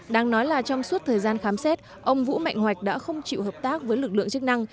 đang nói là trong suốt thời gian khám xét ông vũ mạnh hoạch đã không chịu hợp tác với lực lượng chức năng